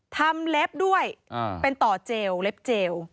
เล็บด้วยเป็นต่อเจลเล็บเจล